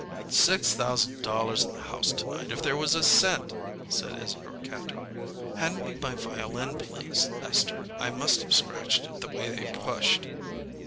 "Six thousand dollars in the house to night, if there was a cent," said Isadore Kantor. "Hand me my violin, please, Esther. I must have scratched it, the way they pushed."